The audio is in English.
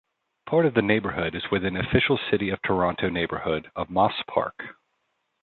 Part of the neighbourhood is within official City of Toronto neighbourhood of Moss Park.